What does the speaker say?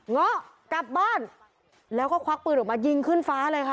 เงาะกลับบ้านแล้วก็ควักปืนออกมายิงขึ้นฟ้าเลยค่ะ